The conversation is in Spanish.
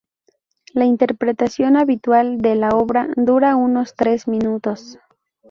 La interpretación habitual de la obra dura unos tres minutos.